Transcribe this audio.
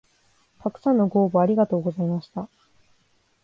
たくさんのご応募ありがとうございました